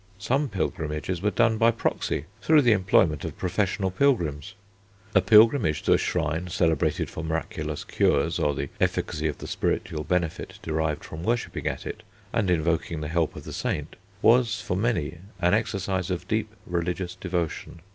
Some pilgrimages were done by proxy, through the employment of professional pilgrims. A pilgrimage to a shrine celebrated for miraculous cures or the efficacy of the spiritual benefit derived from worshipping at it and invoking the help of the saint, was for many an exercise of deep religious devotion.